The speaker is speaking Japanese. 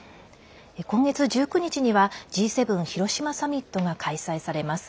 今月１９日にはＧ７広島サミットが開催されます。